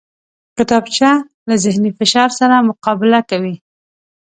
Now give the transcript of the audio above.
کتابچه له ذهني فشار سره مقابله کوي